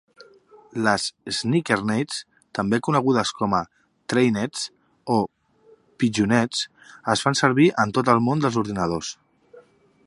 Les sneakernets, també conegudes com a "trainnets" o "pigeonets", es fan servir en tot el món dels ordinadors.